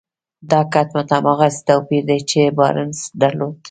دا کټ مټ هماغسې توپير دی چې بارنس درلود.